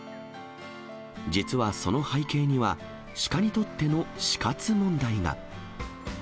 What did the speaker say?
実はその背景には、鹿にとっての死活問題が。